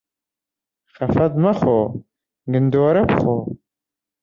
خەفەت مەخۆ، گندۆره بخۆ.